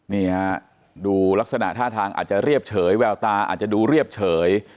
นี่ฮะดูลักษณะท่าทางอาจจะเรียบเฉยแววตาอาจจะดูเรียบเฉย